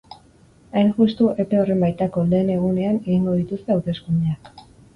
Hain justu, epe horren baitako lehen egunean egingo dituzte hauteskundeak.